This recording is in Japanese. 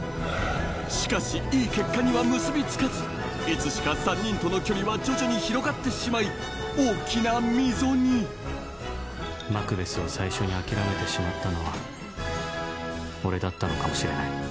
しかしいい結果には結び付かずいつしか３人との距離は徐々に広がってしまい大きな溝にマクベスを最初に諦めてしまったのは俺だったのかもしれない。